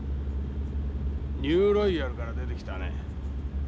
ニューロイヤルから出てきたね。